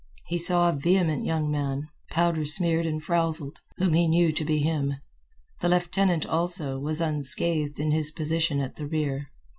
He saw a vehement young man, powder smeared and frowzled, whom he knew to be him. The lieutenant, also, was unscathed in his position at the rear.